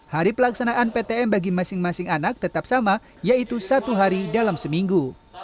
hari pelaksanaan ptm bagi masing masing anak tetap sama yaitu satu hari dalam seminggu